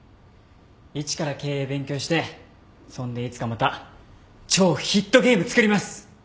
一から経営勉強してそんでいつかまた超ヒットゲーム作ります！